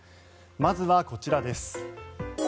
まずはこちらです。